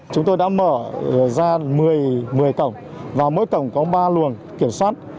chúng tôi đã mở ra một mươi cổng và mỗi cổng có ba luồng kiểm soát